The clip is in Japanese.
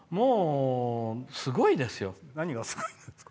すごいですよ。